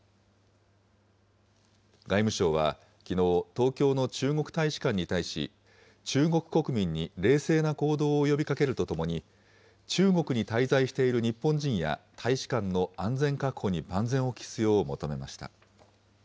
外務省はきのう、東京の中国大使館に対し、中国国民に冷静な行動を呼びかけるとともに、中国に滞在している日本人や大使館の安全確保に万全を期すよう求めました。